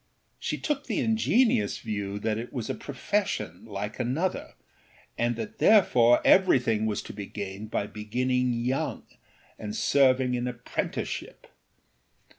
She took the ingenious view that it was a profession like another and that therefore everything was to be gained by beginning young and serving an apprenticeship.